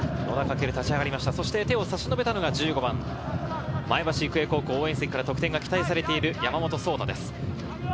手を差し伸べたのが１５番、前橋育英高校・応援席から得点が期待されている山本颯太です。